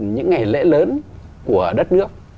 những ngày lễ lớn của đất nước